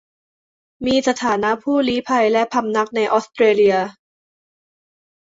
มีสถานะผู้ลี้ภัยและพำนักในออสเตรเลีย